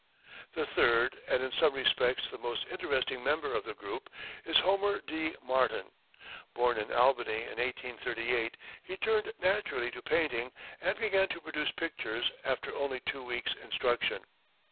The third, and in some respects the most interesting member of the group is Homer D. Martin. Born in Albany in 1838, he turned naturally to painting and began to produce pictures after only two weeks' instruction.